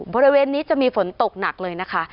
บริเวณนี้จะมีฝนตกหนักเลยนะคะ